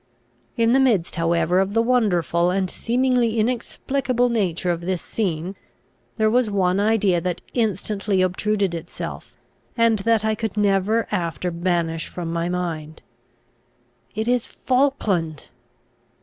In the midst however of the wonderful and seemingly inexplicable nature of this scene, there was one idea that instantly obtruded itself, and that I could never after banish from my mind. It is Falkland!